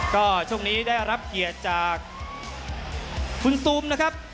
ก็ช่วงนี้ได้รับเกียรติจากคุณซูมนะครับ